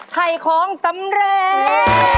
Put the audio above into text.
ไข่ของสำเร็จ